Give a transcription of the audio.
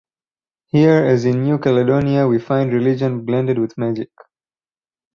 Here, as in New Caledonia, we find religion blended with magic.